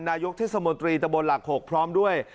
นายกเทศมนตรีตะบนหลัก๖พร้อมด้วย